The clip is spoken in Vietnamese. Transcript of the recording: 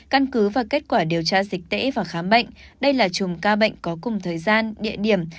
căn cứ và kết quả điều tra dịch tễ và khám bệnh đây là chùm ca bệnh có cùng thời gian địa điểm